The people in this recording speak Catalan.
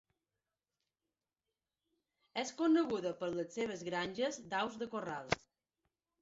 És coneguda per les seves granges d'aus de corral.